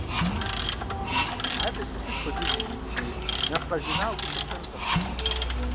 АдэкӀэ сыт хуэдиз иримыфми, нэхъ къэжанауэ гу лъыптэнутэкъым.